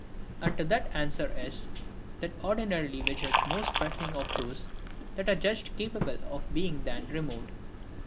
and to that the answer is,—That ordinarily which is the most pressing of those that are judged capable of being then removed.